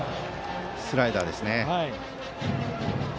スライダーですね。